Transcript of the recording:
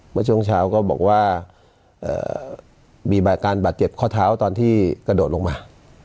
เมื่อช่วงเช้าก็บอกว่ามีบาดการบาดเจ็บข้อเท้าตอนที่กระโดดลงมา